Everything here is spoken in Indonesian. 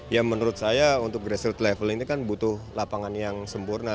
ya menurut saya untuk grassroot level ini kan butuh lapangan yang sempurna